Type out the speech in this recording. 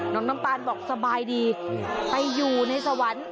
น้ำตาลบอกสบายดีไปอยู่ในสวรรค์